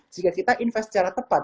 jika kita invest secara tepat